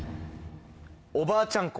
おばあちゃん子。